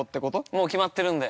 ◆もう決まってるんだよ。